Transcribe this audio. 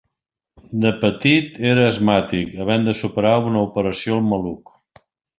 De petit era asmàtic, havent de superar una operació al maluc.